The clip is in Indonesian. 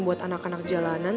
buat anak anak jalanan